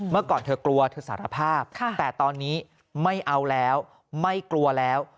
เมื่อก่อนเธอกลัวเธอสารภาพแต่ตอนนี้ไม่เอาแล้วไม่กลัวแล้ว